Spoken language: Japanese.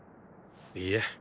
いいえ。